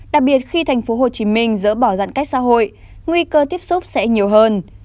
đặc biệt khi tp hcm dỡ bỏ giãn cách xã hội nguy cơ tiếp xúc sẽ nhiều hơn